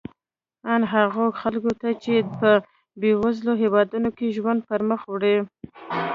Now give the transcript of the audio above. ان هغو خلکو ته چې په بېوزلو هېوادونو کې ژوند پرمخ وړي.